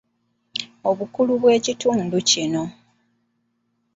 Obukulu bw'ekitundu kino